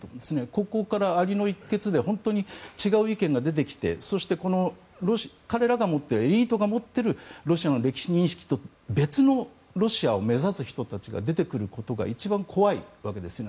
高校からアリの一穴で違う意見が出てきてそして、彼らが持ってるエリートが持ってるロシアの認識とは別のものを目指す人たちが出てくることが一番怖いわけですね。